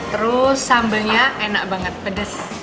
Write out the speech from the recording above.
terus sambalnya enak banget pedas